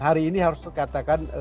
hari ini harus dikatakan